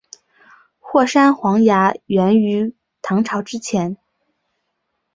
霍山黄芽源于唐朝之前。